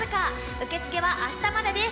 受付は明日までです。